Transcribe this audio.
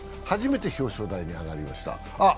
初めて表彰台に上がりました。